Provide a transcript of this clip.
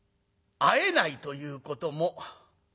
会えないということもある。